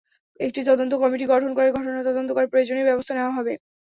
একটি তদন্ত কমিটি গঠন করে ঘটনা তদন্ত করে প্রয়োজনীয় ব্যবস্থা নেওয়া হবে।